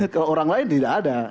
ke orang lain tidak ada